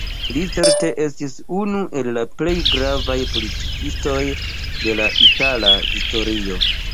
Li certe estis unu el la plej gravaj politikistoj de la itala historio.